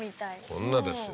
こんなですよ。